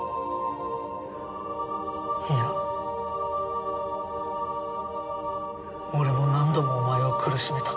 いや俺も何度もお前を苦しめた。